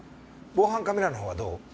防犯カメラの方はどう？